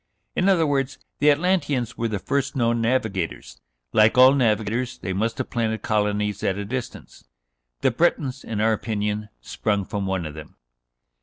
In other words, the Atlanteans were the first known navigators. Like all navigators, they must have planted colonies at a distance. The Bretons, in our opinion, sprung from one of them."